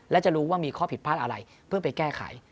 และจะรู้ว่ามีข้อผิดพลาดอะไรเพื่อไปแก้ไข